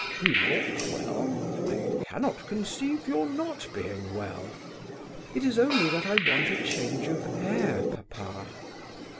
You look well. I cannot conceive your not being well." "It is only that I want change of air, papa."